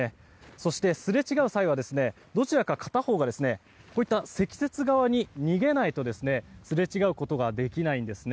そして、すれ違う際はどちらか片方が積雪側に逃げないとすれ違うことができないんですね。